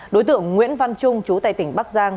đối tượng nguyễn văn trung chú tại tỉnh bắc giang